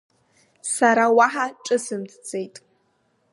Сара уаҳа ҿысымҭӡеит.